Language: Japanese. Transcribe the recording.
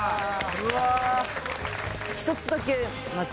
うわ！